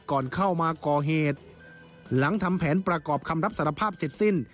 ก่อนเข้ามาก่อเหตุหลังทำแผนประกอบคำรับสารภาพเสร็จสิ้น